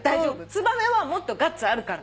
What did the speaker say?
ツバメはもっとガッツあるから。